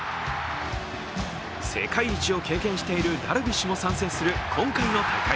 世界一を経験しているダルビッシュも参戦する今回の大会。